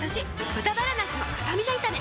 「豚バラなすのスタミナ炒め」